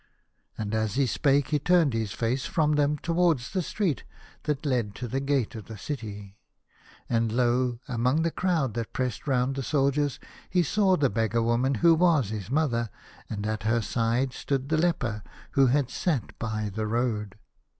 And as he spake he turned his face from them towards the street that led to the gate of the city, and lo ! amongst the crowd that pressed round the soldiers, he saw the beggar woman who was his mother, and at her side stood the leper, who had sat by the road.